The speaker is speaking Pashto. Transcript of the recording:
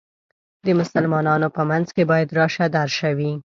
د مسلمانانو په منځ کې باید راشه درشه وي.